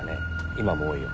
今も多いよ。